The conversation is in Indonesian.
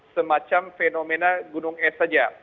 semacam fenomena gunung es saja